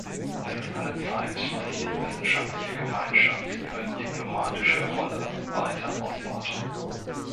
Es ist an der Zeit, dass die wissenschaftliche Gemeinschaft ihre diplomatische Rolle weiter ausbaut.